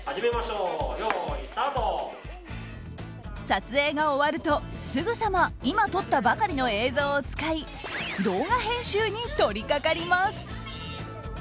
撮影が終わると、すぐさま今撮ったばかりの映像を使い動画編集に取り掛かります。